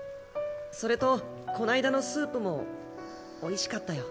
それとこないだのスープもおいしかったよ。